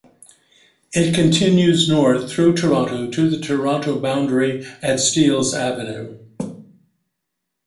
It continues north through Toronto to the Toronto boundary at Steeles Avenue.